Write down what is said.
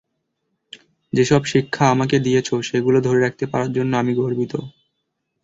যেসব শিক্ষা আমাকে দিয়েছ, সেগুলো ধরে রাখতে পারার জন্য আমি গর্বিত।